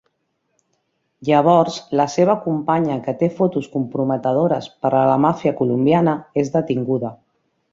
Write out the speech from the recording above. Llavors, la seva companya, que té fotos comprometedores per a la màfia colombiana, és detinguda.